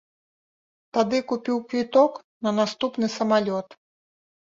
Тады купіў квіток на наступны самалёт.